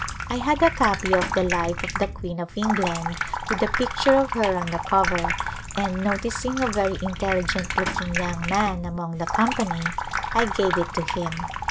I had a copy of the Life of the Queen of England with a picture of her on the cover, and notic ing a very intelligent looking young man among the company I gave it to him.